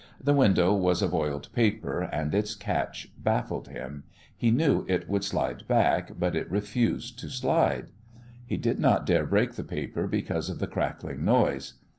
The window was of oiled paper, and its catch baffled him. He knew it should slide back; but it refused to slide. He did not dare break the paper because of the crackling noise.